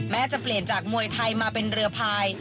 จะเปลี่ยนจากมวยไทยมาเป็นเรือพาย